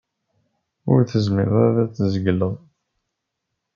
Ur tezmireḍ ad t-tzegleḍ.